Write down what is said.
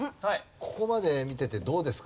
ここまで見ててどうですか？